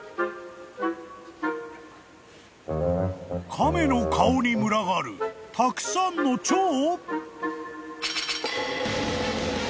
［亀の顔に群がるたくさんのチョウ！？］